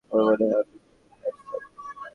ওর মনে হয় আপনি খুব হ্যান্ডসাম।